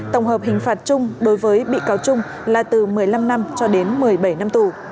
tổng hợp hình phạt chung đối với bị cáo trung là từ một mươi năm năm cho đến một mươi bảy năm tù